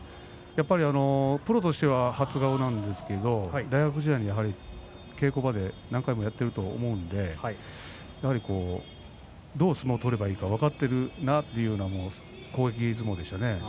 プロとしては初顔なんですけれども、大学時代に稽古場で何回もやっていると思うのでどう相撲を取ればいいのか分かっているなというのが攻撃相撲でしたね。